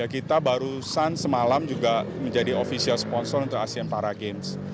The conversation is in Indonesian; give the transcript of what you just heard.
kita barusan semalam juga menjadi official sponsor untuk asean para games